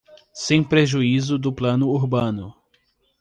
Sem prejuízo do plano urbano